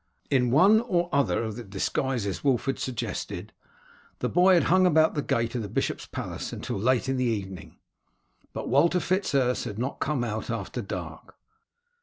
In one or other of the disguises Wulf had suggested, the boy had hung about the gate of the bishop's palace until late in the evening, but Walter Fitz Urse had not come out after dark.